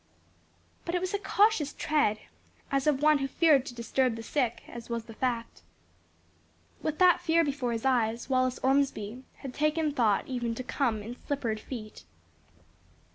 But it was a cautious tread; as of one who feared to disturb the sick, as was the fact. With that fear before his eyes Wallace Ormsby had taken thought even to come in slippered feet.